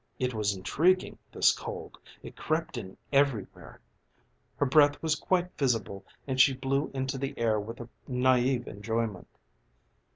It was intriguing this cold, it crept in everywhere. Her breath was quite visible and she blew into the air with a naïve enjoyment.